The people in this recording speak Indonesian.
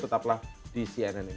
tetaplah di cnn indonesia prime news